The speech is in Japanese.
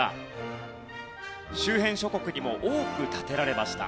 周辺諸国にも多く建てられました。